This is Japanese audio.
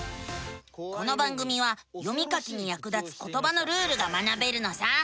この番組は読み書きにやく立つことばのルールが学べるのさ。